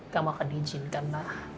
kamu akan di izinkan lah